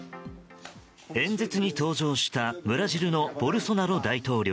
演説に登場したブラジルのボルソナロ大統領。